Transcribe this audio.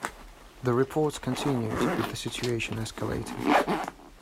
The reports continued, with the situation escalating.